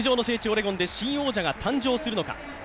オレゴンで新王者が誕生するのか。